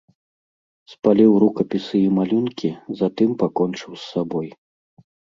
Спаліў рукапісы і малюнкі, затым пакончыў з сабой.